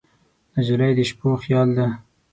نجلۍ د شپو خیال ده.